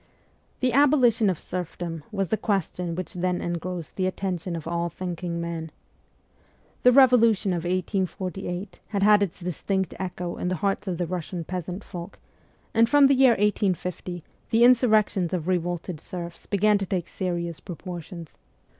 The abolition of serfdom was the question which then engrossed the attention of all thinking men. The Revolution of 1848 had had its distinct echo in the hearts of the Russian peasant folk, and from the year 1850 the insurrections of revolted serfs began to take serious proportions.